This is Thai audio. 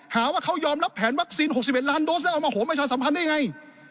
หาว่าเขายอมรับแผนวัคซีน๖๑ล้านโดสแล้วเอามาโหมประชาสัมพันธ์ได้ไง